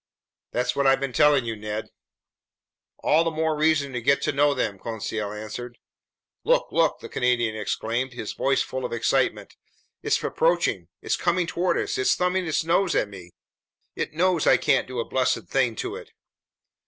"That's what I've been telling you, Ned." "All the more reason to get to know them," Conseil answered. "Look! Look!" the Canadian exclaimed, his voice full of excitement. "It's approaching! It's coming toward us! It's thumbing its nose at me! It knows I can't do a blessed thing to it!"